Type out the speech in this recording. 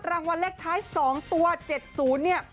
รางวัลแรกท้าย๒ตัว๗ศูนย์นี่